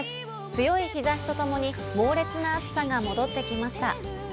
強い日差しとともに猛烈な暑さが戻ってきました。